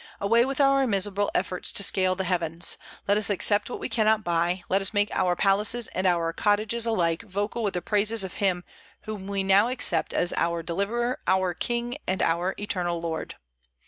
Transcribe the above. Away with our miserable efforts to scale the heavens! Let us accept what we cannot buy; let us make our palaces and our cottages alike vocal with the praises of Him whom we now accept as our Deliverer, our King, and our Eternal Lord."